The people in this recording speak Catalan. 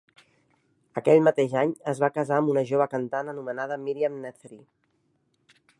Aquell mateix any es va casar amb una jove cantant anomenada Miriam Nethery.